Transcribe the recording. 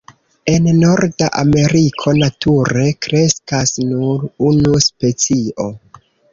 En Norda Ameriko nature kreskas nur unu specio.